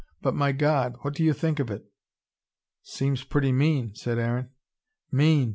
But my God what do you think of it?" "Seems pretty mean," said Aaron. "Mean!